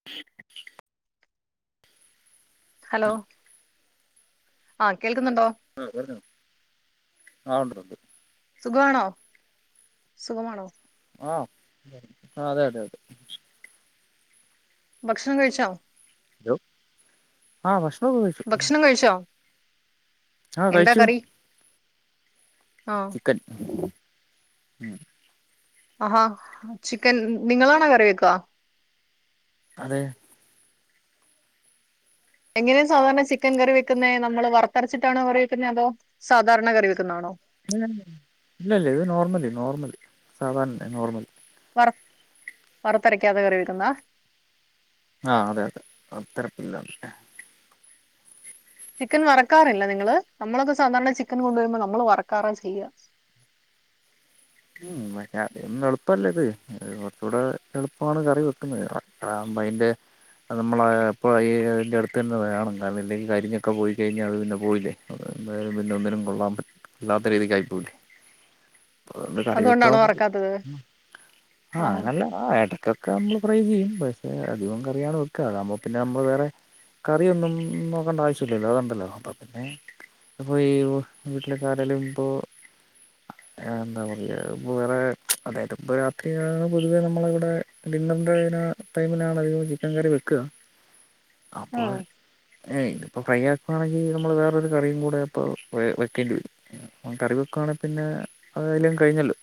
[inaudible] Hello ആഹ് കേൾക്കുന്നുണ്ടോ ആഹ് പറഞ്ഞോ ആഹ് ഉണ്ട് ഉണ്ട് സുഖാണോ സുഖമാണോ ആഹ് അതെ അതെ അതെ ഭക്ഷണം കഴിച്ചോ ഹലോ ആഹ് ഭക്ഷണൊക്കെ കഴിച്ചു [unintelligible] കഴിച്ചോ ആ എന്താ കഴിച്ചു കറി ആഹ് [unintelligible] ആഹാ ചിക്കൻ നിങ്ങളാണോ കറി വെക്ക അതെ എങ്ങനെ സാധാരണ ചിക്കൻ കറി വെക്കുന്നേ നമ്മള് വർത്തരച്ചിട്ടാണോ കറി വെക്കുന്നേ അതോ സാധാരണ കറി വെക്കുന്നാണോ ഇല്ല ഇല്ല ഇത് നോർമല് നോർമല് സാധാരണ നോർമല് വർ വർത്തരക്കാതെ കറിവെക്കുന്നാ ആഹ് അതെ അതെ വർത്തരപ്പില്ലാതെ ചിക്കൻ വറക്കാറില്ല നിങ്ങള് നമ്മളൊക്കെ സാധാരണ ചിക്കൻ കൊണ്ടുവരുമ്പോൾ നമ്മള് വറക്കാറ ചെയ്യ ഉം അതിന്നും എളുപ്പല്ലേ ഇത് കുറച്ചുകൂടെ എളുപ്പണ് കറി വെക്കുന്നത് അതാവുമ്പോ അയിന്റെ നമ്മൾ അപ്പോൾ ഈ അയിൻ്റെ അടുത്ത് തന്നെ വേണം കാരണം ഇല്ലെങ്കിൽ കരിഞ്ഞൊക്കെ പോയിക്കഴിഞ്ഞാൽ അത് പിന്നെ പോയില്ലേ അത് എന്തായാലും പിന്നെ ഒന്നിനും കൊള്ളാൻ പറ്റ കൊള്ളത്ത രീതിക്കയി പോവില്ലി അപ്പം കറി വെക്കാ അതുകൊണ്ടാണോ വറക്കാത്തത് [unintelligible] ആഹ് ആഹാ അങ്ങനല്ല ആഹ് ഇടയ്ക്കൊക്കെ നമ്മള് ഫ്രൈ ചെയ്യും പക്ഷെ അധികം കറിയാണ് വെക്കുക അതാവുമ്പോ പിന്നെ നമ്മൾ വേറെ കറിയൊന്നും നോക്കണ്ട ആവശ്യവില്ലല്ലോ അതുണ്ടല്ലോ അപ്പോ പിന്നെ അപ്പൊ ഈ വീട്ടിലെക്കെ ആരേലു ഇപ്പോ എന്താ പറയ ഇപ്പോൾ വേറെ അതായത് ഇപ്പോൾ രാത്രിയാണ് പൊതുവെ നമ്മളിവിടെ ഡിന്നറിൻ്റെ ഇതിനെ ഈ ടൈമിലാണ് അധികം ചിക്കൻ കറി വെക്കുക ആ അപ്പോ ഏഹ് ഇത് ഇപ്പോ ഫ്രൈ ആക്കുവാണെങ്കിൽ നമ്മൾ വേറൊരു കറിയും കൂടെ അപ്പൊ വെ വെക്കേണ്ടി വരും കറി വെക്കുവണെ പിന്നെ അതേതയാലും കഴിഞ്ഞല്ലോ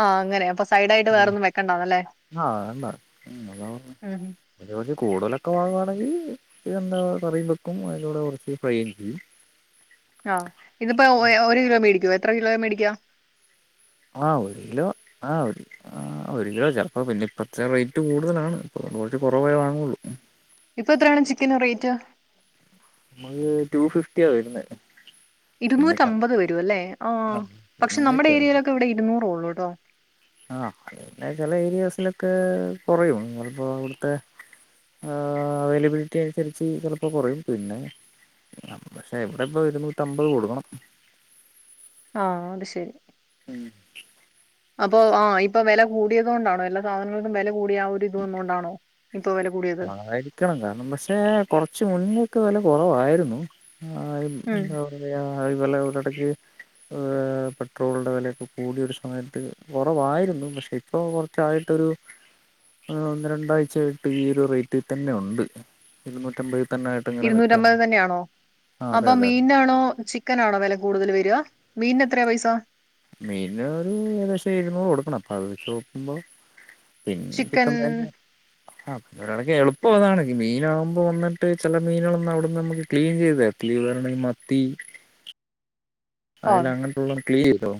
ആഹ് അങ്ങനെ അപ്പൊ സൈഡ് ആയിട്ട് വേറൊന്നും വെക്കണ്ടന്നല്ലേ ആ ഉം ഇനി കുറച്ച് കൂടുതലൊക്കെ വാങ്ങുവാണേങ്കിൾ എന്താ കറിയും വെക്കും അതിലൂടെ കുറച്ച് ഫ്രൈയും ചെയ്യും ആഹ് ഇതിപ്പോ ഓരോ കിലോ മേടിക്കുവോ എത്ര കിലോയ മേടിക്കുവാ ആഹ് ഒരു കിലോ ആഹ് ഒരു ആഹ് ആഹ് ഒരു കിലോ ചിലപ്പോൾ പിന്നെ ഇപ്പോഴത്തെ റേറ്റ് കൂടുതലാണ് ഇപ്പോൾ കുറച്ച് കുറവേ വാങ്ങുള്ളൂ ഇപ്പൊ എത്രയാണ് ചിക്കൻ റേറ്റ് നമുക്ക് ടു ഫിഫ്റ്റിയാ വരുന്നെ ഇരുനുറ്റിഅമ്പത് വരും അല്ലേ ആ ആഹ് പക്ഷെ പിന്നെ നമ്മുടെ ചെ ഏരിയയിലൊക്കെ ഇവിടെ ഇരുന്നൂറേ ഉള്ളൂ കേട്ടോ ആഹ് അത് പിന്നെ ചില ഏരിയാസിലൊക്കെ കുറയും നിങ്ങളിപ്പോ അവിടുത്തെ ഏഹ് അവൈലബിലിറ്റി അനുസരിച്ച് ചിലപ്പോ കുറയും പിന്നെ. നമുക്ക് പക്ഷെ ഇവിടെ ഇപ്പം ഇരുന്നൂറ്റി അമ്പത് കൊടുക്കണം ആഹ് അത്ശരി ഉം. അപ്പൊ ആഹ് ഇപ്പൊ വില കൂടിയത് കൊണ്ടാണോ എല്ല സാധനങ്ങൾക്കും വില കൂടിയ ആ ഒരിത് വന്നുകൊണ്ടാണോ ഇപ്പൊ വില കൂടിയത്. ആയിരിക്കണം കാരണം പക്ഷെ കൊറച്ച് മുന്നേക്ക വില കുറവായിരുന്നു ആരും ഉം എന്താ. പറയാ ഈ വില ഇവിടെ ഇടക്ക്. ഏഹ് പെട്രോളിന്റെ വിലയൊക്കെ കൂടിയ ഒരു സമയത്ത് കുറവായിരുന്നു പക്ഷെ. ഇപ്പൊ കുറച്ചായിട്ടൊരു ഒന്ന് രണ്ടാഴ്ച ആയിട്ട് ഈ ഒരു റേറ്റി തന്നെ ഉണ്ട് ഇരുനുറ്റി അമ്പതി. ഇരുന്നൂറ്റമ്പത് തന്നെയാണോ ആഹ് അതെ അപ്പൊ അതെ അതെ മീനാണോ ചി [inaudible] ചിക്കനാണോ വില കൂടുതൽ വരാ മീന് എത്രയാ പൈസ. മീന് ഒരു ഏകദേശം എഴുന്നൂറ് കൊടുക്കണം അപ്പൊ അത് വെച്ച് നോക്കുമ്പോ പിന്നെ ചിക്കൻ [unintelligible] ഒരു കണക്കിന് എളപ്പം അതാണ് ഈ മീനാകുമ്പോൾ വന്നിട്ട് ചില മീനുകളൊന്നു അവിടുന്ന് നമുക്ക്‌ ക്ലീൻ ചെയത് തരത്തില്ല ഇവർടെ ഈ മ ത്തി [unintelligible] അതില് ആഹ് അങ്ങനാത്തുള്ള ക്ലീ ഇല്ലോ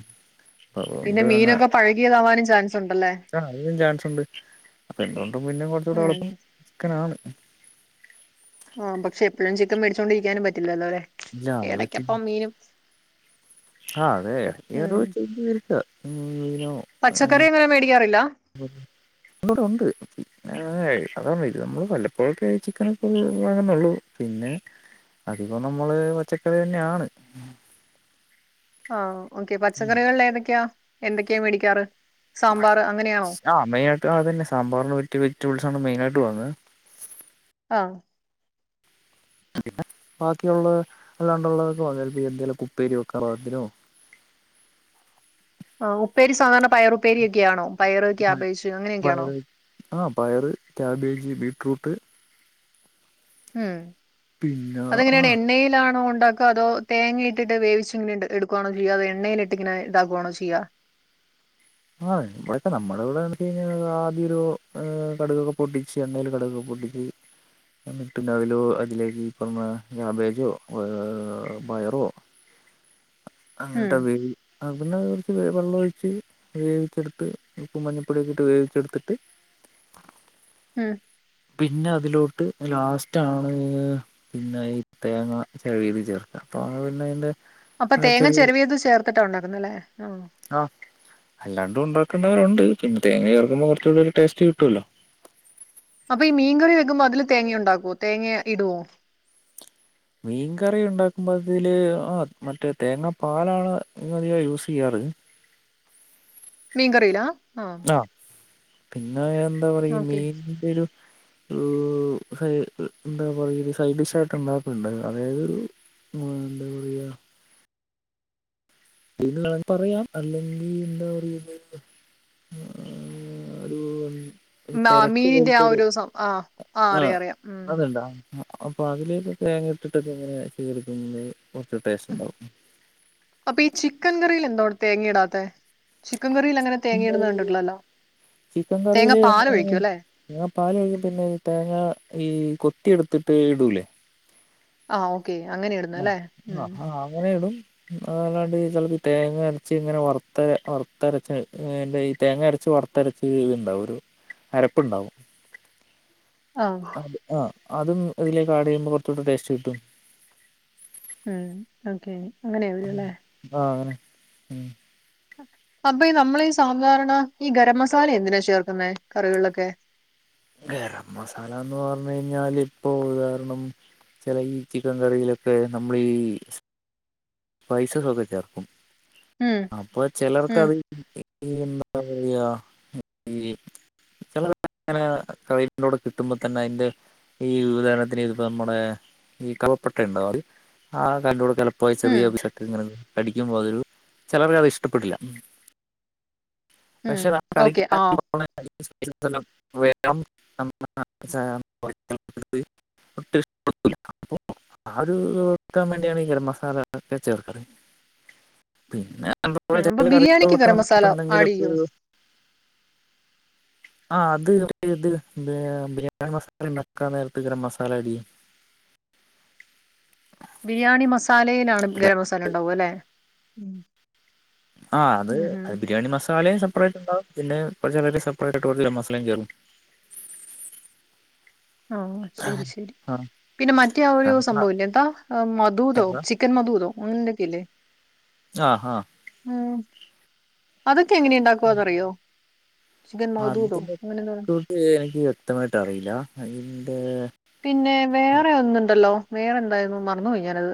പിന്നെ മീനൊക്കെ പഴകിയതാവാനും ചാൻസ് ഉണ്ടല്ലേ ആഹ് അതിനും ചാൻസ് ഉണ്ട് അപ്പൊ എന്ത് കൊണ്ടും പിന്നെ കുറച്ചൂടി ഉം എളുപ്പം ചിക്കനാണ് ആഹ് പക്ഷെ എപ്പോഴും ചിക്കൻ മേടിച്ചോണ്ടിരിക്കാനും പറ്റില്ലല്ലോ അല്ലേ ഇല്ല ഇടക്കപ്പ മീനും. ആഹ് അതെ ഇടക്ക് വേറെ ഉം ഒരു ചേഞ്ച്‌ വേടിക്കാം മീന. പച്ചക്കറി അങ്ങനെ മേടിക്കാറില്ല. [unintelligible] [inaudible] ഇന്നൂടെ ഉണ്ട് ഏഹ് അതാണ് ഇത് നമ്മൾ വല്ലപ്പോഴക്കെ ചിക്കനൊക്ക വാങ്ങുന്നുള്ളൂ. പിന്നെ അധികം നമ്മൾ പച്ചക്കറി തന്നെയാണ്. ആഹ് ഓക്കെ പച്ചക്കറികളില് ഏതൊക്കെയാ എന്തൊക്കെയാ മേടിക്കാറ് സാമ്പാർ അങ്ങനെയാണോ? ആഹ് മെയിനായിട്ട് അത് തന്നെ സാറിന് പറ്റ വെജറ്റബിൾസ് ആണ് മയിനായിട്ട് വാങ്ങാ. ആഹ്. [unintelligible] ബാക്കിയ ഉള്ളത് അല്ലാണ്ട് ഉള്ളതൊക്കെ [unintelligible] എന്തെലും ഉപ്പേരി വെക്കാ [inaudible] ആഹ് ഉപ്പേരി സാധാരണ പയർ ഉപ്പേരി ഒക്കെയാണോ പയർ കേബേജ് അങ്ങനെയൊക്കെയാണോ. ആഹ് പയറ് കാബേജ് ബീറ്റ്റൂട്ട്. ഉം പിന്നെ ആ അതെങ്ങനെയാണ് എണ്ണയിലാണോ ഉണ്ട [unintelligible] അതോ തേങ്ങയിട്ടിട്ട് വേവിച്ചിങ്ങനെ എടുക്കവാണോ ചെയ്യ അതൊ എണ്ണയിലിട്ടിങ്ങെ ഇതാക്കുകവാണോ ചെയ്യുക. ആഹ് ഇവിടെക്കെ നമ്മുടെ ഇവിടെ എന്ന് കഴിഞ്ഞാൽ ആദ്യ ഒരു കടുകൊക്കെ പൊട്ടി പക്ഷെ എണ്ണയിൽ കടക്ക് ഒക്കെ പൊട്ടിച്ച് [unintelligible] അതിലേക്ക് ഈ പറഞ്ഞ ക്യാബേജോ പയറോ ഉം അങ്ങനട്ട വെ [inaudible] അതിനകത് കുറച്ച് വെള്ള ഒഴിച്ച് വേവിച്ചെടുത്ത് ഉപ്പ് മഞ്ഞൾപ്പൊടിയൊക്കെ ഇട്ട് വേവിച്ചെടുത്തിട്ട്. ഉം പിന്നെ അതിലോട്ട് ലാസ്റ്റ് ആണ്. പിന്നെ ഈ തേങ്ങ ചെരവിത് ചേർക്കുക അപ്പൊ പിന്നെ അതിന്റെ [inaudible] അപ്പൊ തേങ്ങ ചെരുവിയത് ചേർത്തിട്ടാ ഉണ്ടാക്കുന്നല്ലേ ആഹ്. ആഹ് അല്ലാണ്ടും ഉണ്ടാക്കേണ്ടവരുണ്ട് പിന്നെ തേങ്ങ ചേർക്കുമ്പോ കുറച്ചു കൂടി ഒരു ടേസ്റ്റ് കിട്ടുമല്ലോ. അപ്പൊ ഈ മീൻകറി വെക്ക്പോ അതില് തേങ്ങയ ഉണ്ടാക്കുവോ തേങ്ങ ഇടുവോ മീൻകറി ഉണ്ടാക്കുമ്പോൾ അതിൽ ആഹ് മറ്റേ തേങ്ങാ പാലാണ് അധികം യൂസ് ചെയ്യാറ് മീൻ കറിലാ ആഹ് ആഹ് പിന്നെ എന്താ പറയാ ഓക്കെ മീൻ ന്റെ ഒരു എന്താ പറയ സൈഡ് ഡിഷായിയിട്ട് ഉണ്ടാക്കണ്ട് അതായത് മ് എന്താ പറയാ പറയാം അല്ലെങ്കിൽ എന്താ പറയ [inaudible] ഒരു പെരട്ട് മീന്റെ പോലത്തെ ആഹ് ഒരു ദിവസം ആഹ് ആഹ് അറിയാം അറിയാം ഉം അതുണ്ടാ അപ്പൊ അതിലേക് തേങ്ങ ഇട്ടിട്ടക്കെ എങ്ങനെ ചെർക്കുന്നത് കുറച്ച ടേസ്റ്റ് ഉം ഉണ്ടാവും അപ്പൊ ഈ ചിക്കൻ കറിയില എന്തോ തേങ്ങ ഇടാത്തെ ചിക്കൻ കറിൽ അങ്ങനെ തേങ്ങ ഇടുന്ന ഉണ്ടാവും കണ്ടിട്ടില്ലല്ലോ തേങ്ങ പാല് ഒഴിക്കു അല്ലേ ഞങ്ങാ പാൽ കഴിഞ്ഞാ പിന്നെ തേങ്ങ ഈ കൊത്തിയടുത്തിട്ട് ഇടൂലേ ആഹ് ഓക്കെ അങ്ങനെയിരുന്നു ല്ലേ ഉം അങ്ങനെടും അല്ലാണ്ട് ചിലപ്പ തേങ്ങ അരച്ച ഇങ്ങനെ വറുത്ത വറത്തരച്ചന്റെ ഈ തേങ്ങ അരച്ച് വറത്ത തരച്ച് ഇത് ഉണ്ടാവും ഒരു അരപ്പുണ്ടാവും ആ അത് ആഹ് അതും ഇതിലേക്ക് ആട് ചെയ്യുമ്പോ കുറചോടെ ടേസ്റ്റ് കിട്ടും ഉം ഓക്കെ അങ്ങനെണു ലെ ആഹ് അങ്ങനെ ഉം അപ്പൊ ഈ നമ്മളീ ഈ സാധാരണ ഈ ഗരം മസാല എന്തിനാ ചേർക്കുന്നേ കറികളിലൊക്കെ ഗരം മസാല എന്ന് പറഞ്ഞു കഴിഞ്ഞാല് ഇപ്പൊ ഉദാഹരണം ചില ഈ ചിക്കൻ കറിയിലൊക്കെ നമ്മളീ പൈസസ് ഒക്കെ ചേർക്കും ഉം അപ്പൊ ഉം ചിലർക്കത് [unintelligible] [unintelligible] കിട്ടുമ്പോ തന്നെ അതിന്റെ ഈ വിതരണത്തിന്തിപ്പോ നമ്മുടെ ഈ കലപ്പട്ട ഉണ്ടാവും അതി ആ കല്ലൂടെ കലപ്പോ ഉം ചെറിയ പീസ് ഒക്കെ ഇങ്ങനെ കടിക്കുമ്പോ അതൊരു ചിലവർക്ക് അത് ഇഷ്ടപ്പെട്ടില്ല ഉം പക്ഷെ ഓക്കെ കളിക്ക ആ [unintelligible] [unintelligible] [unintelligible] ആ ഒരു വെക്കാൻ വേണ്ടിയാണ് ഗരം മസാല ച്ചേർക്കണേ പിന്നെ ഉം, അപ്പൊ ബിരിയാണിക്ക് ഗരം [unintelligible] മസാല എന്തെങ്കിലും ആഡ് ചെയ്യോ ആഹ് അത് ഇത് ബിരിയാണി മസാല ഇണ്ടാക്കാൻ നേരത്ത് ഗരം മസാല ആഡ് ചെയ്യും. ബിരിയാണി മസാലയിലാണ് ഗരം മസാല ഉണ്ടാവൊല്ലെ ഉം ആഹ് ഉം, ഉം. അത് ബിരിയാണി മസാലയും സെപ്പറേറ്റ് ഇണ്ടാവും പിന്നെ ഒരു ചെറിയ സെപ്പറേറ്റ് [unintelligible] ഗരം മസാലയും കേറും. ആഹ് ശരി ശരി. ആഹ് പിന്നെ മറ്റേ ആ ഒരു സംഭവം ഇല്ലേ എന്താ മതൂദോ എന്താ ചിക്കൻ മതൂദോ അങ്ങനെ എന്തൊക്കെയില്ലേ. ആഹ് ആഹ് ഉം അതൊക്കെ എങ്ങനെ ഇണ്ടാക്ക അറിയോ. അതിന്റെ കൂട്ട് എനിക്ക് വ്യക്തമായിട്ട് അറിയില്ല. അതിന്റെ പിന്നെ വേറെ ഒന്നുണ്ടല്ലോ വേറെ എന്തായിരുന്നു മറന്ന് പോയി ഞാനത്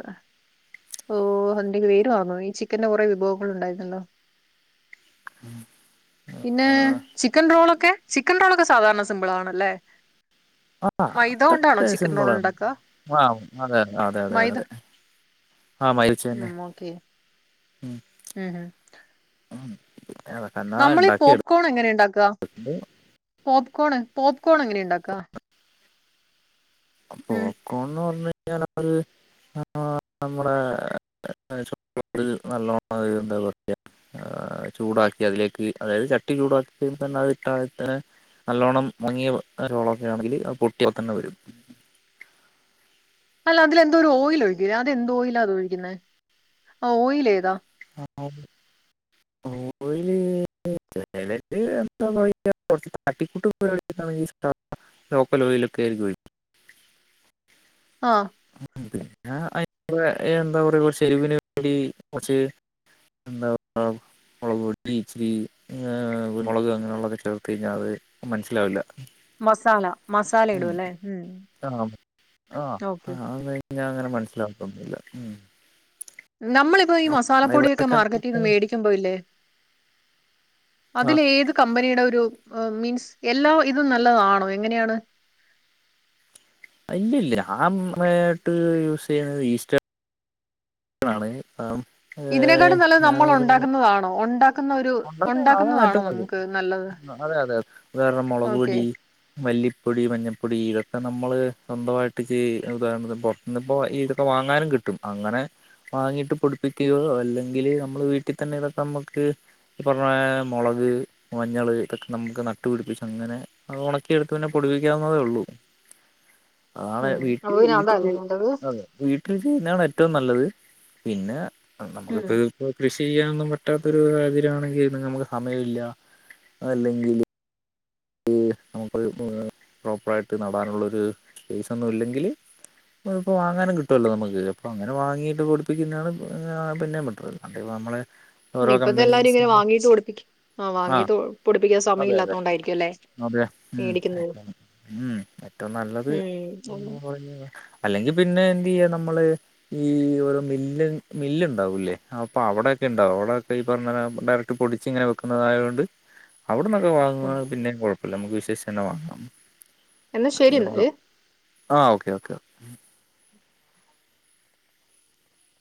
ഓഹ് അതിന്റെ പേര് മറന്നു പോയി. ചിക്കന്റെ കുറേ വിഭവങ്ങൾ ഉണ്ടായിരുന്നല്ലോ പിന്നെ ആഹ് ചിക്കൻ റോളൊക്കെ ചിക്കൻ റോളൊക്കെ സാധാരണ സിമ്പിൾ ആണല്ലേ. ആഹ് മൈദ കൊണ്ടാണോ അതൊക്കെ ചിക്കൻ റോൾ സിമ്പിളാണ്. ഉണ്ടാക്കുക ആഹ് അതെ അതെ അതെ അതെ മൈദ അതെ. ആഹ് മരിച്ച ന്നെ ഉം ഓക്കെ ഉം ഉം ഉം ഉം. അതൊക്കെ എന്നാ നമ്മളീ ഉണ്ടാക്കി പോപ്കോൺ എങ്ങനെ ഇണ്ടാക്ക? എടുത്തത് പോപ്കോൺ പോപ്കോൺ എങ്ങനെ ഇണ്ടാക്ക? പോപ്ക്കോൺന്ന് പറഞ്ഞു കഴിഞ്ഞാൽ അവര് നമ്മളെ ചക്ക പൊരി നല്ലോണം വേവ്മ്പൊ എളക്ക ആ ചൂടാക്കി അതിലേക്ക് അതായത് ചട്ടി ചൂടാക്കി തന്നെ അത് ഇട്ട തന്നെ നല്ലോണ്ണം മുങ്ങിയ റോളൊക്കെ ആണെങ്കില് അത് പൊട്ടിയ തന്നെ വരും. അല്ല അതിലെന്തോ ഒരു ഓയില് ഒഴിക്കൂലെ അതെന്ത്‌ ഓയിലാ ഉപയോഗിക്കുന്നെ ആ ഓയിൽ ഏതാ ആ അത് ശെരി ഓയില് ആ ചെല കാര്യത്തിന് [unintelligible] അടിക്കുന്നത് കളിയാകുന്നതും ഇഷ്ടല്ല. ലോക്കൽ ഓയിലൊക്ക അതിലൊഴിക്കും. ആ പിന്നെ അ എന്താ പറയാ കൊറച്ച് എരിവിന് വേണ്ടി കൊറച്ച് എന്താ [unintelligible] മുളക് പൊടി ഇച്ചിരി കുരുമുളക് അങ്ങനെയുള്ളത് ചേർത്ത് കഴിഞ്ഞാ അത് മനസ്സിലാവില്ല. മസാല മസാല ഉം. ഇടും ല്ലേ മ് ഓക്കെ. പിന്നെ അങ്ങനെ മനസ്സിലാകത്തൊന്നുല്ല മ് നമ്മളിപ്പോ ഈ മസാല ഇവിടെ പൊടിയൊക്കെ വെക്കാണെങ്കി മാർക്കറ്റിന്ന് ഇപ്പൊ വേടി- എന്തോ ഇല്ലേ ആ അതിലേത് കമ്പനിയുടെ ഒരു മീൻസ് എല്ലാ ഇതും നല്ലതാണോ എങ്ങനെയാണ് ഇല്ലല്ല ആ [unintelligible] ട്ട് യൂസ് ചെയ്യുന്നത് ഈസ്റ്റേൺ ആണ് മ് ഇതിനെക്കാട്ടും നല്ലത് നമ്മള് ഉണ്ടാക്കുന്നതാണോ ഉണ്ടാക്കുന്ന ഒരു ഉണ്ടാക്കുന്ന അതാണ് ഉണ്ടാക്കുന്നതാണോ ഏറ്റവും നല്ലത് നമുക്ക് നല്ലത് അതെ അതെ അതായത് മൊളക് ഓക്കെ പൊടി, മല്ലിപ്പൊടി, മഞ്ഞപ്പൊടി ഇതൊക്കെ നമ്മള് സ്വന്തമായിട്ട് ചെയ്യുന്നതാണ് സംഭവം ഇന്നിപ്പോ ഇതൊക്കെ വാങ്ങാനും കിട്ടും അങ്ങനെ വാങ്ങിട്ട് പൊടിപ്പിക്കുകയോ അല്ലെങ്കില് നമ്മള് വീട്ടി തന്നെ ഇതൊക്കെ നമ്മുക്ക് ഈ പറഞ്ഞ മൊളക് മഞ്ഞള് ഇതൊക്കെ നമുക്ക് നട്ടു പിടിപ്പിച്ച അങ്ങനെ അത് ഒണക്കിയെടുത്തൊന്ന് പൊടിപ്പിക്കണംന്നേ ഉള്ളൂ. ആണ് ഉം അപ്പൊ വീട്ടിൽ പിന്നെ വീട്ടി അതല്ലേ നല്ലത് അതെ വീട്ടിൽ ചെയ്യുന്നതാണ് ഏറ്റവും നല്ലത് പിന്നെ ഉം നമുക്കിപ്പോ ഇപ്പൊ കൃഷി ചെയ്യാനൊന്നും പറ്റാത്ത ഒരു [unintelligible] സമയമല്ല അല്ലെങ്കില് നമുക്ക് പ്രോപ്പറായിട്ട് നടാനുള്ളൊരു സ്പേസൊന്നും ഇല്ലെങ്കിൽ ഇപ്പോൾ വാങ്ങാനും കിട്ടുമല്ലോ നമുക്ക് അപ്പോൾ അങ്ങനെ വാങ്ങിയിട്ട് പൊടിപ്പിക്കുന്നതാണ് പിന്നെയും ബെറ്റർ അത് നമ്മളെ ഓരോ ഇപ്പഴത്തെ എല്ലാരും ഇങ്ങനെ കമ്പനീസിൻ്റെ വാങ്ങീച് പൊടിപ്പി ആഹ് ആ വാങ്ങീത് പൊടിപ്പിക്കാൻ അതെ അതെ സമയമല്ലാത്തത് കൊണ്ടായിരിക്കും അല്ലേ അതെ ഉം മേടിക്കുന്നത് ഉം ഏറ്റവും നല്ലത് ഉം പറ അല്ലെങ്കിൽ പിന്നെ എന്ത് ചെയ്യ നമ്മള് ഈ ഒരു മില്ല് മില്ല് ഉണ്ടാവൂലേ അപ്പൊ അവിടൊക്കെ ഉണ്ടാവും അവിടൊക്കെ ഈ പറഞ്ഞ ഡയക്ട് ട്ട് പൊടിച്ച് ഇങ്ങനെ വെക്കുന്നതായത് കൊണ്ട് അവിടന്നൊക്കെ വാങ്ങ ഉം പിന്നേ കുഴപ്പമില്ല നമുക്ക് വിശ്വസിച്ചന്നെ വാങ്ങാം എന്നാ ശരി എന്നാല് ആഹ് ഓക്കെ ഓക്കെ